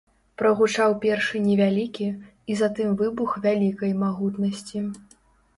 Прагучаў першы невялікі, і затым выбух вялікай магутнасці.